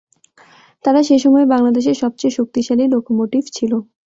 তারা সে সময়ে বাংলাদেশের সবচেয়ে শক্তিশালী লোকোমোটিভ ছিল।